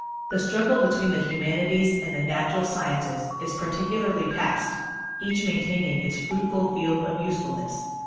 The struggle between the humanities and the natural sciences is practically past, each maintaining its fruitful field of, usefulness.